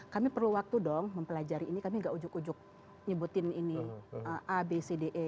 kami perlu waktu dong mempelajari ini kami gak ujuk ujuk nyebutin ini a b c d e